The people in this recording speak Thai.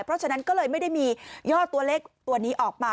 เพราะฉะนั้นก็เลยไม่ได้มียอดตัวเลขตัวนี้ออกมา